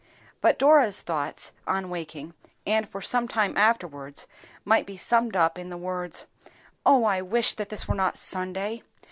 But Dora's thoughts on waking, and for some time afterwards, might be summed up in the words—"Oh, I wish that this day were not Sunday!